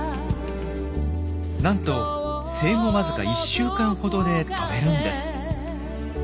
なんと生後わずか１週間ほどで飛べるんです。